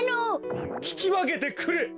ききわけてくれ！